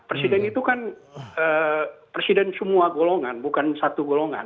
presiden itu kan presiden semua golongan bukan satu golongan